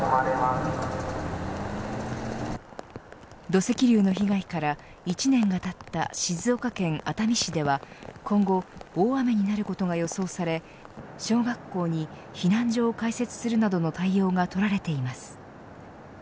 土石流の被害から１年がたった静岡県熱海市では今後大雨になることが予想され小学校に避難所を開設するなどの対応が取られています。